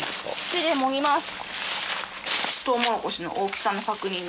手でもぎます。